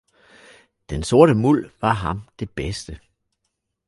Den sorte muld var ham det bedste